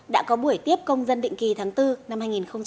đã có buổi tiếp công dân định kỳ tháng bốn năm hai nghìn hai mươi